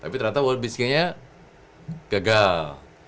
tapi ternyata world peace game nya gagal